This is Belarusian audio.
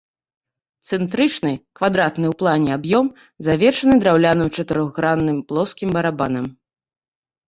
Цэнтрычны квадратны ў плане аб'ём завершаны драўляным чатырохгранным плоскім барабанам.